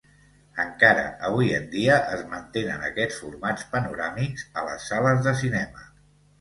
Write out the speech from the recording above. Encara avui en dia es mantenen aquests formats panoràmics a les sales de cinema.